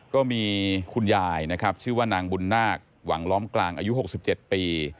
ก็มีคุณยายนะครับชื่อว่านางบุญนาคหวังล้อมกลางอายุ๖๗ปี